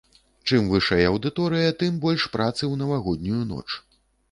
Чым вышэй аўдыторыя, тым больш працы ў навагоднюю ноч.